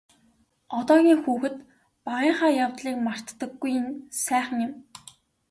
Одоогийн хүүхэд багынхаа явдлыг мартдаггүй нь сайхан юм.